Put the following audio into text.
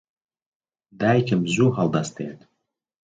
دایکم زوو هەڵدەستێت.